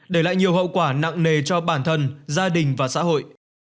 để lại nhiều hậu quả nặng nề cho bản thân gia đình và xã hội